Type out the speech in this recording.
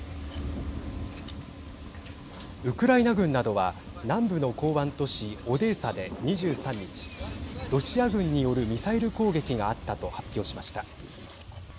ウクライナ軍などは南部の港湾都市オデーサで２３日ロシア軍によるミサイル攻撃があったと発表しました。